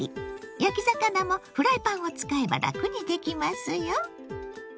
焼き魚もフライパンを使えばラクにできますよ。